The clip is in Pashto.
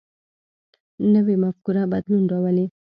نوی مفکوره بدلون راولي